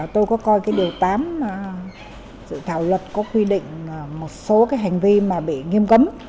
tôi có coi cái điều tám dự thảo luật có quy định một số cái hành vi mà bị nghiêm cấm